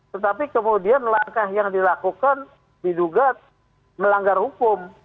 tetapi kemudian langkah yang dilakukan diduga melanggar hukum